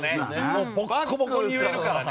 もうボッコボコに言えるからね。